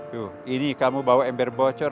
tuh ini kamu bawa ember bocor